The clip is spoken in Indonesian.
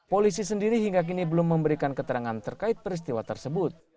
polisi sendiri hingga kini belum memberikan keterangan terkait peristiwa tersebut